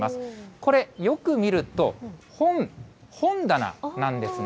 これ、よく見ると、本、本棚なんですね。